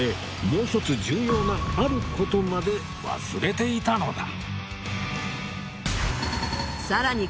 もう一つ重要なあることまで忘れていたのださらに